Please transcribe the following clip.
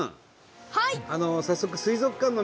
はい！